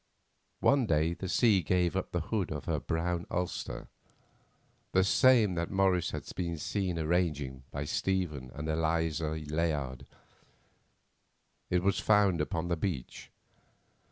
One day the sea gave up the hood of her brown ulster, the same that Morris had been seen arranging by Stephen and Eliza Layard; it was found upon the beach.